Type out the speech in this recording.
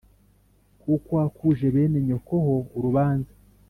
kuko wakuje bene nyoko ho urubanza